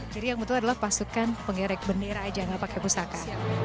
jadi yang betul adalah pasukan pengerek bendera aja nggak pakai pusaka